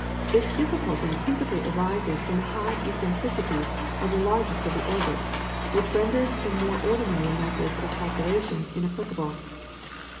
Its difficulty principally arises from the high eccentricity of the largest of the orbits, which renders the more ordinary methods of calculation inapplicable.